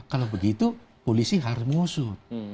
kalau begitu polisi harus mengusut